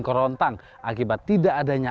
kerontang akibat tidak adanya